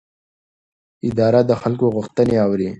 اداره د خلکو غوښتنې اوري.